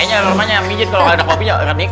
kayaknya rumahnya mijet kalau nggak ada kopinya